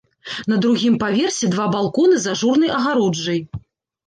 На другім паверсе два балконы з ажурнай агароджай.